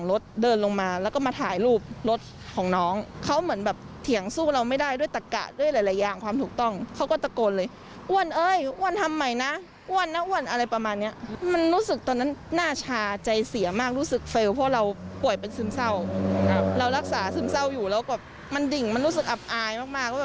เรารักษาซึมเศร้าอยู่แล้วมันดิ่งมันรู้สึกอับอายมาก